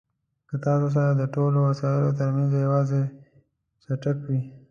که ستاسو سره د ټولو وسایلو ترمنځ یوازې څټک وي.